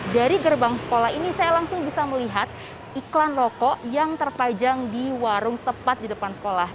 dari gerbang sekolah ini saya langsung bisa melihat iklan rokok yang terpajang di warung tepat di depan sekolah